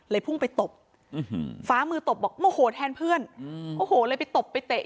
พุ่งไปตบฟ้ามือตบบอกโมโหแทนเพื่อนโอ้โหเลยไปตบไปเตะ